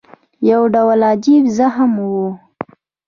یو ډول عجیب زغم وو.